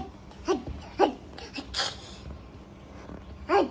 はい！